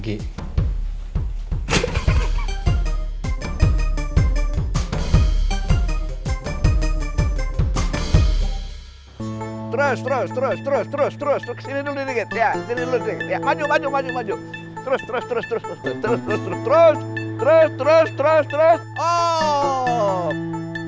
terus terus terus terus terus terus aaaaah